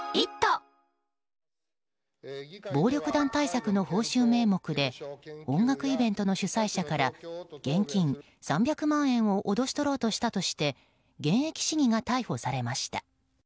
暴力団対策の報酬名目で音楽イベントの主催者から現金３００万円を脅し取ろうとしたとして現役市議が逮捕されました。